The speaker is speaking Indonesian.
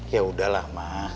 ya udahlah ma